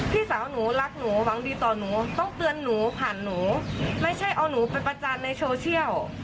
พี่สาวหนูรักหนูหวังดีต่อหนูต้องเตือนหนูผ่านหนูไม่ใช่เอาหนูไปประจานในโซเชียล